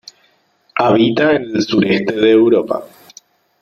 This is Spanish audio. Habita en el sureste de Europa.